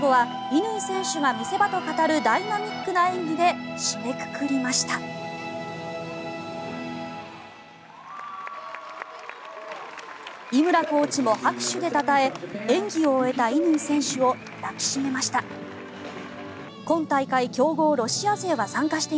井村コーチも拍手でたたえ演技を終えた乾選手を抱き締めました。